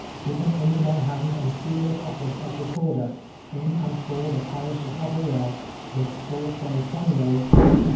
Given under my hand and seal of office as Recorder [l. s.] in and for the parish of Avoyelles, this 4th day of January, A.